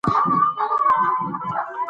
کندهار د معاصر افغانستان لومړنۍ پلازمېنه وه.